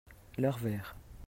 leur verre.